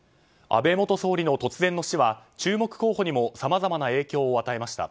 安倍元総理の突然の死は注目候補にもさまざまな影響を与えました。